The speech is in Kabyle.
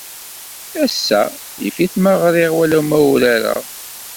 Ass-a yif-it ma ɣriɣ wala ma urareɣ.